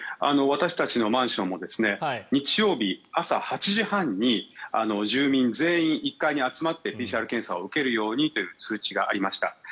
私たちのマンションも日曜日、朝８時半に住民全員、１階に集まってＰＣＲ検査を受けるようにという通知がありました。